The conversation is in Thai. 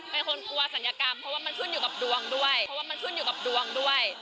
เป็นคนกลัวศัลยกรรมเพราะว่ามันชุดอยู่กับดวงด้วย